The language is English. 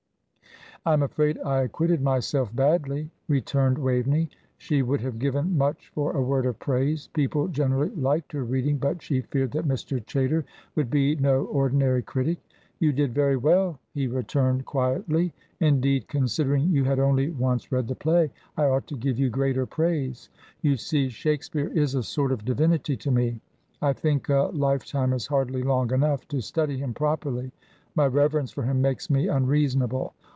"I am afraid I acquitted myself badly," returned Waveney. She would have given much for a word of praise. People generally liked her reading, but she feared that Mr. Chaytor would be no ordinary critic. "You did very well," he returned, quietly. "Indeed, considering you had only once read the play, I ought to give you greater praise. You see, Shakespeare is a sort of divinity to me. I think a lifetime is hardly long enough to study him properly. My reverence for him makes me unreasonable.